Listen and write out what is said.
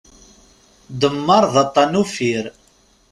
Ddemmar, d aṭṭan uffir.